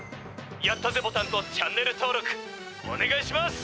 「やったぜボタンとチャンネル登ろくおねがいします！」。